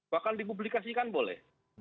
bahkan di publikasikan boleh